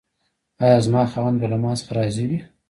ایا زما خاوند به له ما څخه راضي وي؟